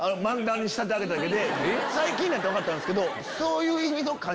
最近になって分かったんですけど。